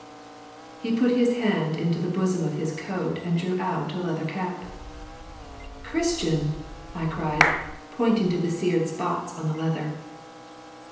He put his hand into the bosom of his coat and drew out a leather cap. "Christian," I cried, pointing to the seared spots on the leather.